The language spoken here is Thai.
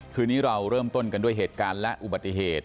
คืนนี้เราเริ่มต้นกันด้วยเหตุการณ์และอุบัติเหตุ